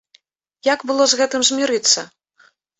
Як было з гэтым змірыцца?